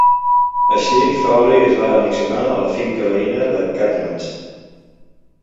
Així, Fawley es va annexionar a la finca veïna de Cadlands.